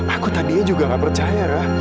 aku tadinya juga gak percaya kan